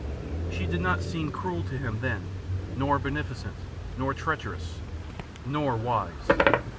She did not seem cruel to him then, nor beneficent, nor treacherous, nor wise.